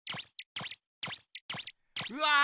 うわ！